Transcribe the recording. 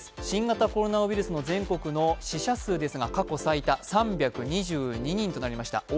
新型コロナウイルスの死者数ですが、過去最多、３２２人となりました。